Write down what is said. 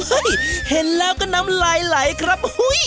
เห้ยเห็นแล้วก็น้ำไหลครับ